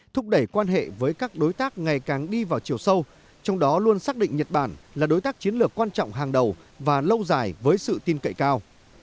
thúc đẩy quan hệ với các đối tác ngày càng đi vào chiều sâu trong đó luôn xác định nhật bản là đối tác chiến lược quan trọng hàng đầu và lâu dài với sự tin cậy cao